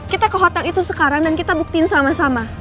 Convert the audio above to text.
kita ke hotel itu sekarang dan kita buktiin sama sama